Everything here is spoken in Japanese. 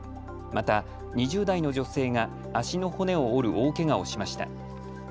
また２０代の女性が足の骨を折る大けがをしました。